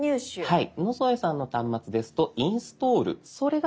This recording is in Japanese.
はい。